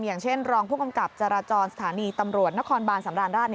อย่างเช่นรองผู้กำกับจราจรสถานีตำรวจนครบานสำราญราช